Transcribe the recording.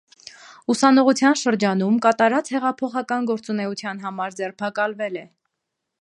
Ուսանողության շրջանում կատարած հեղափոխական գործունեության համար ձերբակալվել է։